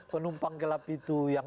penumpang gelap itu yang